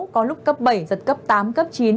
có lúc cấp bảy giật cấp tám cấp chín